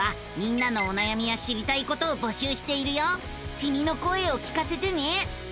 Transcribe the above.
きみの声を聞かせてね。